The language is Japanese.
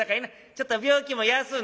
ちょっと病気も休んで」。